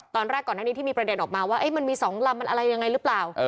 ตอนแรกก่อนหน้านี้ที่มีประเด็นออกมาว่ามันมี๒ลำมันอะไรยังไงหรือเปล่า